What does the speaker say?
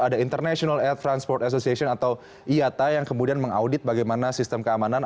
ada international air transport association atau iata yang kemudian mengaudit bagaimana sistem keamanan